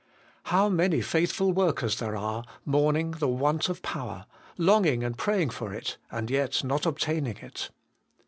How many faithful workers there are, mourning the want of power ; longing and praying for it, and yet not obtaining it